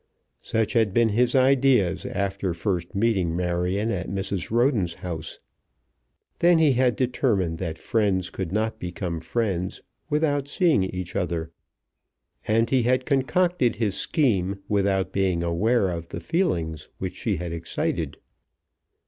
Such had been his ideas after first meeting Marion at Mrs. Roden's house. Then he had determined that friends could not become friends without seeing each other, and he had concocted his scheme without being aware of the feelings which she had excited.